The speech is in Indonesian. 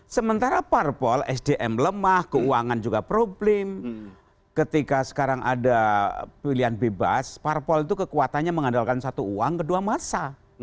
sementara parpol sdm lemah keuangan juga problem ketika sekarang ada pilihan bebas parpol itu kekuatannya mengandalkan satu uang kedua masa